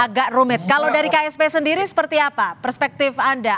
agak rumit kalau dari ksp sendiri seperti apa perspektif anda